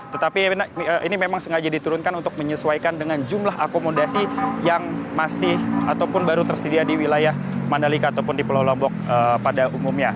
tetapi ini memang sengaja diturunkan untuk menyesuaikan dengan jumlah akomodasi yang masih ataupun baru tersedia di wilayah mandalika ataupun di pulau lombok pada umumnya